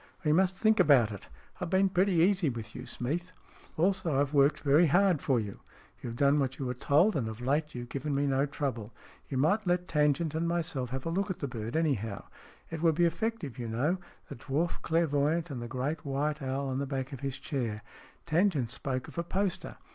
We must think about it. I have been pretty easy with you, Smeath." " Also, I've worked very hard for you." " You've done what you were told, and of late you've given me no trouble. You might let Tangent and myself have a look at the bird, anyhow. It would be effective, you know the dwarf clairvoyant and the great white owl on the back of his chair. Tangent spoke of a poster.